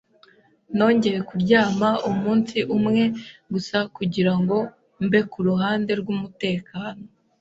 Nongeye kuryama umunsi umwe gusa kugirango mbe kuruhande rwumutekano.